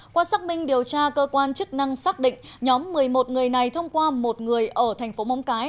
qua xác minh điều tra cơ quan chức năng xác định nhóm một mươi một người này thông qua một người ở thành phố móng cái